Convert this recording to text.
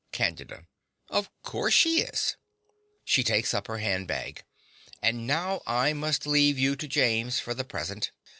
CANDIDA. Of course she is. (She takes up her handbag.) And now I must leave you to James for the present.